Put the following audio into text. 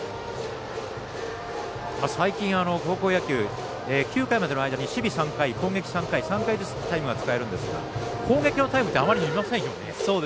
最近、高校野球９回までの間に守備３回攻撃３回３回ずつ、タイムが使えますが攻撃のタイムってあまり見ませんよね。